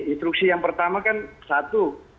instruksi yang pertama kan satu